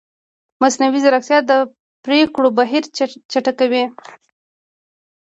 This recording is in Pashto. مصنوعي ځیرکتیا د پرېکړو بهیر چټکوي.